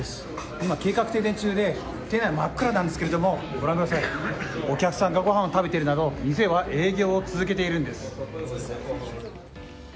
今、計画停電中で店内は真っ暗ですがお客さんがごはんを食べているなど店は営業を続けているんです。